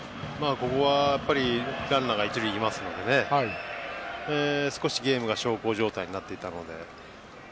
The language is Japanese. ここはランナーが一塁にいるので少しゲームが小康状態になっていたので。